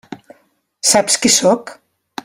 Saps qui sóc?